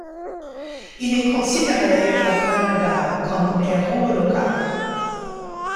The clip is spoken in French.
Il est considéré à Granada comme un héros local.